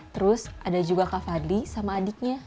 terus ada juga kak fadli sama adiknya